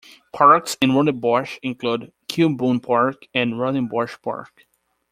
Parks in Rondebosch include Keurboom Park and Rondebosch Park.